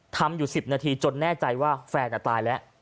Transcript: ทำอยู่๑๐นาทีจนแน่ใจว่าแฟนตายแล้ว